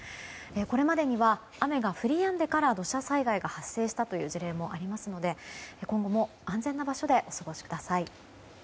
これまでには雨が降りやんでから土砂災害が発生したという事例もありますので今後も安全な場所でお過ごしください。